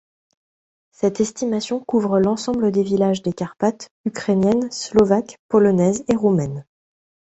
Cette estimation couvre l'ensemble des villages des Carpates ukrainiennes, slovaques, polonaises et roumaines.